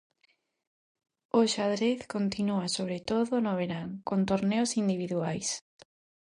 O xadrez continúa sobre todo no verán con torneos individuais.